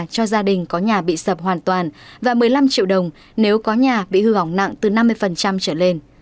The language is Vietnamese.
cho gia đình có nhà bị sập hoàn toàn và một mươi năm triệu đồng nếu có nhà bị hư hỏng nặng từ năm mươi trở lên